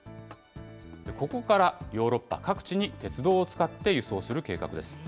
ここからヨーロッパ各地に鉄道を使って輸送する計画です。